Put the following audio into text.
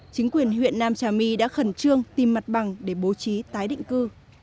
chính quyền huyện nam trà my đã khẩn trương tìm mặt bằng để bố trí tái định cư